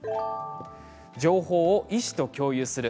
情報を医師と共有する。